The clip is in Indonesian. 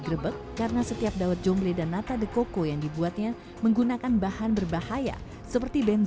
pembuat dawat atau jomble dan nata de coco dengan menggunakan campuran bahan berbahaya